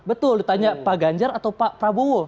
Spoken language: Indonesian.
betul ditanya pak ganjar atau pak prabowo